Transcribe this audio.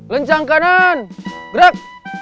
lencang kanan gerak